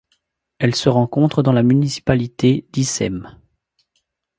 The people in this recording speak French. Elle se rencontre dans la municipalité d'Icém.